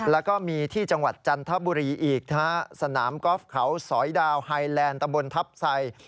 แล้วก็มีที่จังหวัดจันทบุรีอีกนะฮะสนามกอล์ฟเขาสอยดาวไฮแลนด์ตะบนทัพไซ